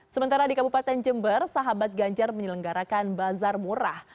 sementara di kabupaten jember sahabat ganjar menyelenggarakan bazar murah